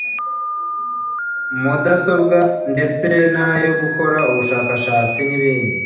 mudasobwa ndetse n’ayo gukora ubushakashatsi n’ibindi